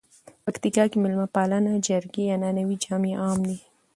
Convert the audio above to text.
پکتیکا کې مېلمه پالنه، جرګې، عنعنوي جامي عام دي.